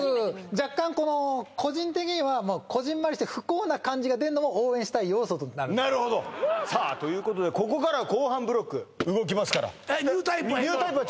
若干この個人的にはこぢんまりして不幸な感じが出るのも応援したい要素となるなるほどさあということでここから後半ブロック動きますからえっニュータイプは？